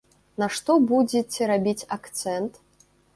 На што будзеце рабіць акцэнт?